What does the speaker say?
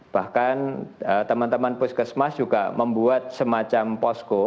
bahkan teman teman puskesmas juga membuat semacam posko